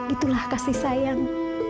itulah kasih sayang